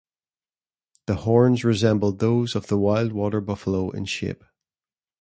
The horns resembled those of the Wild Water Buffalo in shape.